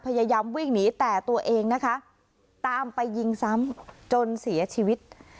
พยายามวิ่งหนีแต่ตัวเองนะคะตามไปยิงซ้ำจนเสียชีวิต